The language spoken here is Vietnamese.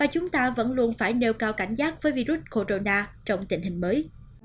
chúng ta vẫn luôn phải nêu cao cảnh giác với virus corona trong tình hình mới